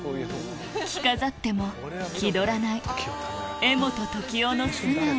着飾っても気取らない柄本時生の素顔